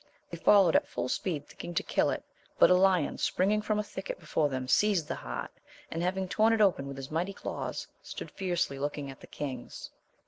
They followed at full speed, thinking to kill it, but a lion springing from a thicket before them, seized the hart, and having torn it open with his mighty claws, stood fiercely looking at the kings.